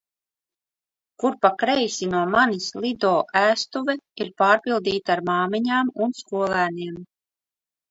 Kur pa kreisi no manis Lido ēstuve ir pārpildīta ar māmiņām un skolēniem.